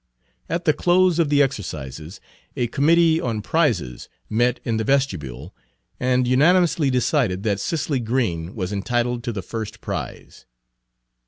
At the close of the exercises, a committee on prizes met in the vestibule, and unanimously decided that Cicely Green was entitled to the first prize.